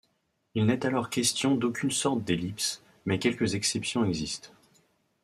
Il n’est alors question d’aucune sorte d'ellipse, mais quelques exceptions existent.